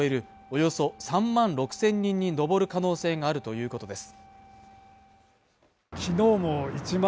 およそ３万６０００人に上る可能性があるということです